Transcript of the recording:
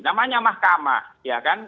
namanya mahkamah ya kan